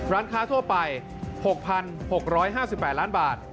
ร้านค้าทั่วไป๖๖๕๘ล้านบาท